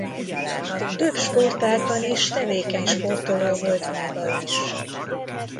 Több sportágban is tevékeny sportoló volt maga is.